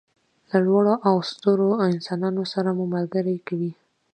له لوړو او سترو انسانانو سره مو ملګري کوي.